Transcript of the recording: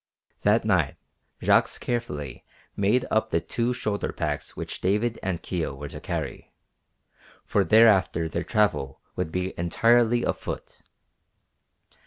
That night Jacques carefully made up the two shoulder packs which David and Kio were to carry, for thereafter their travel would be entirely afoot.